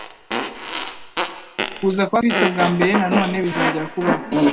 kuza kwa Kristo bwa mbere na none bizongera kubaho,